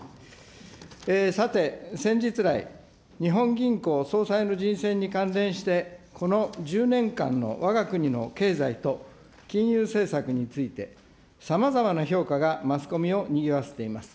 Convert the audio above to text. さて、先日来、日本銀行総裁の人選に関連して、この１０年間のわが国の経済と金融政策について、さまざまの評価がマスコミをにぎわせています。